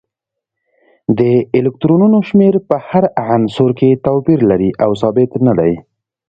د الکترونونو شمیر په هر عنصر کې توپیر لري او ثابت نه دی